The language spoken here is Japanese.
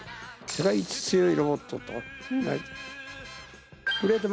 世界一強いロボットと。